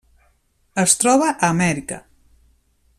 Es troba a Amèrica: